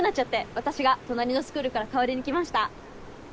私が隣のスクールから代わりに来ました。